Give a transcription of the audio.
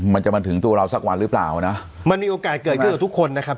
มันจะมาถึงตัวเราสักวันหรือเปล่านะมันมีโอกาสเกิดขึ้นกับทุกคนนะครับ